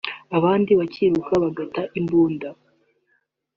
abandi bakiruka bagata imbunda